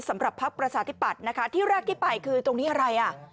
พักประชาธิปัตย์นะคะที่แรกที่ไปคือตรงนี้อะไรอ่ะ